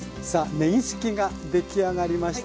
ねぎすきが出来上がりました。